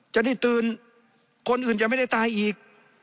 จะได้ตื่นคนอื่นจะไม่ได้ตายอีก